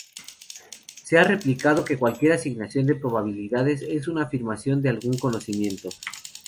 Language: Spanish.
Se ha replicado que cualquier asignación de probabilidades es una afirmación de algún conocimiento.